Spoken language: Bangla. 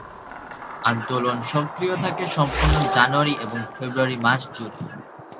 আন্দোলন সক্রিয় থাকে সম্পূর্ণ জানুয়ারী এবং ফেব্রুয়ারি মাস জুড়ে।